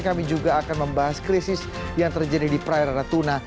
kami juga akan membahas krisis yang terjadi di prairatuna